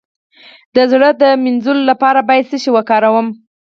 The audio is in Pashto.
د زړه د مینځلو لپاره باید څه شی وکاروم؟